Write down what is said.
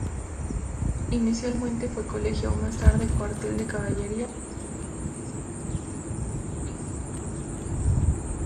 Inicialmente fue Colegio, más tarde Cuartel de Caballería, posteriormente Escuelas Públicas y, finalmente, Teatro.